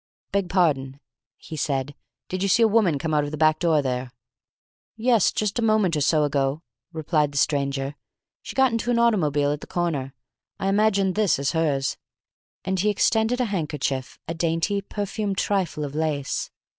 "Beg pardon," he said, "did you see a woman come out of the back door, there?" "Yes, just a moment or so ago," replied the stranger. "She got into an automobile at the corner. I imagine this is hers," and he extended a handkerchief, a dainty, perfumed trifle of lace.